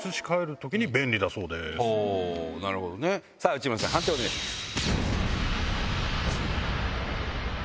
内村さん判定をお願いします。